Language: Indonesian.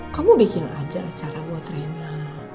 kamu bikin aja acara buat rina